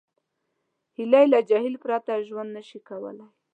هیلۍ له جهیل پرته ژوند نشي کولی